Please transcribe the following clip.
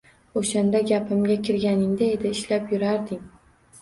O‘shanda gapimga kirganingda edi, ishlab yurarding.